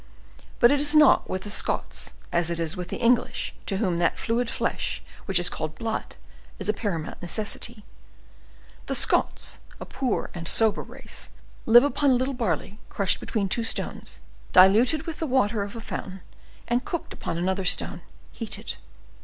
But it is not with the Scots as it is with the English, to whom that fluid flesh which is called blood is a paramount necessity; the Scots, a poor and sober race, live upon a little barley crushed between two stones, diluted with the water of the fountain, and cooked upon another stone, heated.